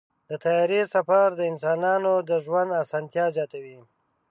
د طیارې سفر د انسانانو د ژوند اسانتیا زیاتوي.